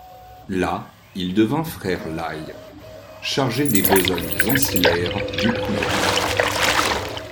Là, il devint Frère lai, chargé des besognes ancillaires du couvent.